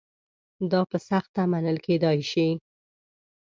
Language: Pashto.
دا په سخته منل کېدای شي.